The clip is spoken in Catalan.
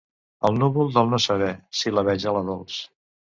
El núvol del no saber, sil·labeja la Dols.